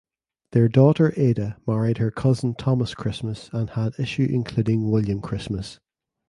Their daughter Ada married her cousin Thomas Christmas and had issue including William Christmas.